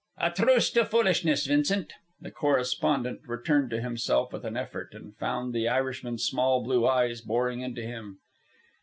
"A truce to foolishness, Vincent." The correspondent returned to himself with an effort and found the Irishman's small blue eyes boring into him.